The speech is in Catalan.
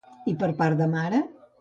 I per part de mare?